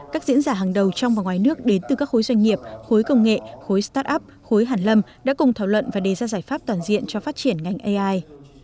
các diễn giả hàng đầu trong và ngoài nước đến từ các khối doanh nghiệp khối công nghệ khối start up khối hàn lâm đã cùng thảo luận và đề ra giải pháp toàn diện cho phát triển ngành ai